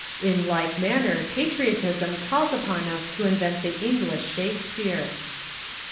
In like manner patriotism calls upon us to invent the English Shakespeare."